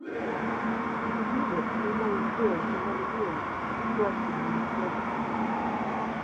The units remained here for many years working these services.